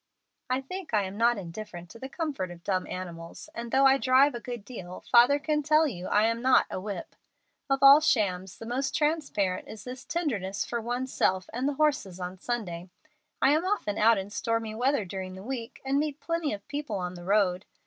"I think I am not indifferent to the comfort of dumb animals, and though I drive a good deal, father can tell you I am not a 'whip.' Of all shams the most transparent is this tenderness for one's self and the horses on Sunday. I am often out in stormy weather during the week, and meet plenty of people on the road.